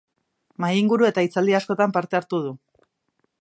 Mahai-inguru eta hitzaldi askotan parte hartu du.